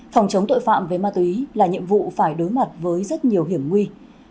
phòng chống tội phạm về ma túy là nhiệm vụ phải đối mặt với rất nhiều hiểm nguy